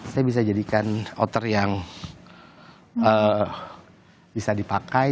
saya bisa jadikan outer yang bisa dipakai